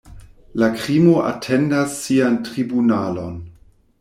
La krimo atendas sian tribunalon.